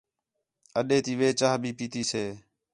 اَڈے تی وِہ چاہ بھی پیتی سے